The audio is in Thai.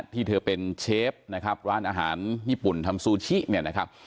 ที่เธอเป็นเชฟนะครับร้านอาหารญี่ปุ่นทำซูชิเนี่ยนะครับ